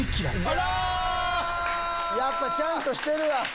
やっぱちゃんとしてるわ。